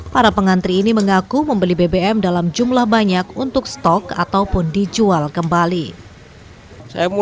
para pengantri ini mengaku membeli bbm di sekitar bahkan di depan spbu